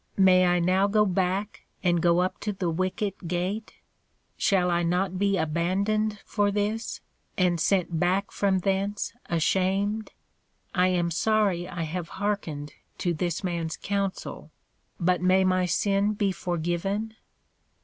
May I now go back and go up to the Wicket gate? Shall I not be abandoned for this, and sent back from thence ashamed? I am sorry I have hearkened to this man's counsel: But may my sin be forgiven?